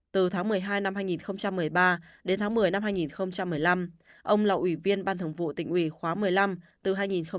từ tháng một mươi hai năm hai nghìn một mươi ba đến tháng một mươi năm hai nghìn một mươi năm ông là ủy viên ban thường vụ tỉnh ủy khóa một mươi năm từ hai nghìn một mươi